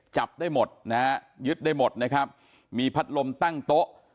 จับได้หมดนะฮะยึดได้หมดนะครับมีพัดลมตั้งโต๊ะ